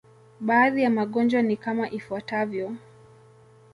Baadhi ya magonjwa ni kama ifuatavyo.